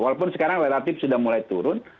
walaupun sekarang relatif sudah mulai turun